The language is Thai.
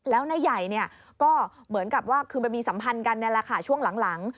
แล้วนายใหญ่ก็เหมือนกับว่าคือมีสัมพันธ์กันช่วงหลัง